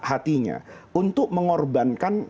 hatinya untuk mengorbankan